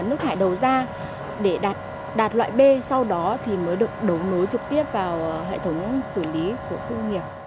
nước thải đầu ra để đạt loại b sau đó thì mới được đấu nối trực tiếp vào hệ thống xử lý của khu công nghiệp